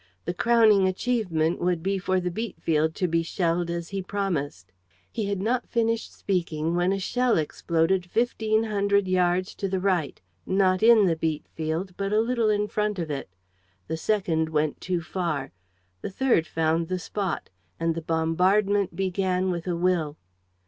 The crowning achievement would be for the beet field to be shelled, as he promised." He had not finished speaking when a shell exploded fifteen hundred yards to the right, not in the beet field, but a little in front of it. The second went too far. The third found the spot. And the bombardment began with a will.